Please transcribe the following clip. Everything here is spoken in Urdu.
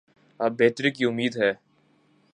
اب بہتری کی امید ہے۔